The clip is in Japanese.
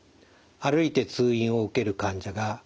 歩いて通院を受ける患者が多いです。